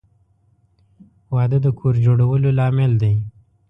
• واده د کور جوړولو لامل دی.